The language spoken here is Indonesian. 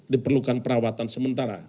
diperlukan perawatan sementara